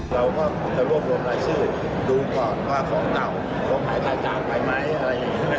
เราก็คงจะรวบรวมรายชื่อดูก่อนว่าของเก่าของหายต่างไปไหมอะไรอย่างนี้